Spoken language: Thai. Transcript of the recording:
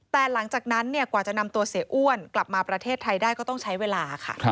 แต่หลังจากนั้นกว่าจะนำตัวเสียอ้วนกลับมาประเทศไทยได้ก็ต้องใช้เวลาค่ะ